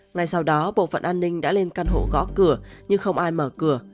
ngay sau đó bộ phận an ninh đã lên căn hộ gõ cửa nhưng không ai mở cửa